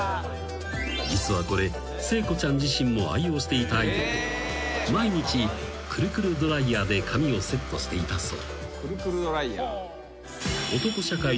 ［実はこれ聖子ちゃん自身も愛用していたアイテムで毎日くるくるドライヤーで髪をセットしていたそう］